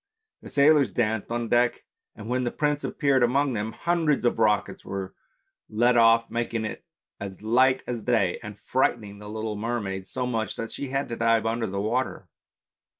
The sailors danced on deck, and when the prince appeared among them hundreds of rockets were let off making it as light as day, and frightening the little mermaid so much that she had to dive under the water.